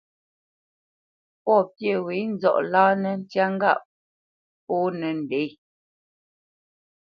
Pɔ̂ pyê wě nzɔʼ láánǝ́ ntyá ŋgâʼ pōnǝ ndě.